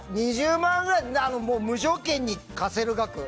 ２０万ぐらい無条件に貸せる額。